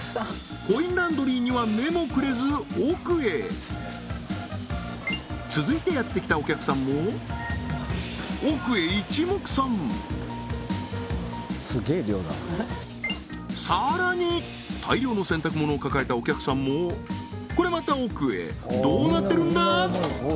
コインランドリーには目もくれず奥へ続いてやって来たお客さんも奥へ一目散さらに大量の洗濯物を抱えたお客さんもこれまた奥へどうなってるんだ？